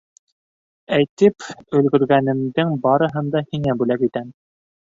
—Әйтеп өлгөргәнемдең барыһын да һиңә бүләк итәм.